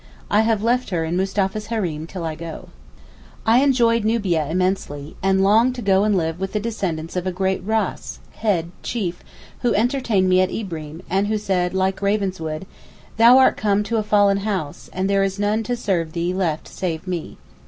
I have left her in Mustapha's hareem till I go. I enjoyed Nubia immensely, and long to go and live with the descendants of a great Ras (head, chief,) who entertained me at Ibreem, and who said, like Ravenswood, 'Thou art come to a fallen house, and there is none to serve thee left save me.